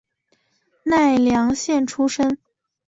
奈良县出身。